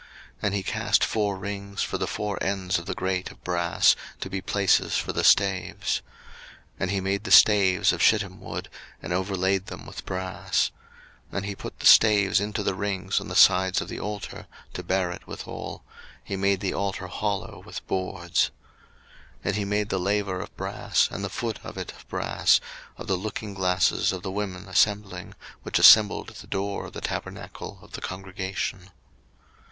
02:038:005 And he cast four rings for the four ends of the grate of brass, to be places for the staves. 02:038:006 And he made the staves of shittim wood, and overlaid them with brass. 02:038:007 And he put the staves into the rings on the sides of the altar, to bear it withal; he made the altar hollow with boards. 02:038:008 And he made the laver of brass, and the foot of it of brass, of the lookingglasses of the women assembling, which assembled at the door of the tabernacle of the congregation.